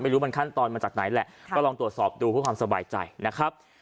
ไม่รู้มันขั้นตอนมาจากไหนแหละก็ลองตรวจสอบดูเพื่อความสบายใจนะครับ